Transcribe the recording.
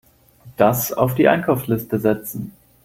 Das auf die Einkaufsliste setzen.